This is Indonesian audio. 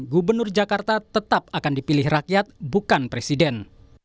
gubernur jakarta tetap akan dipilih rakyat bukan presiden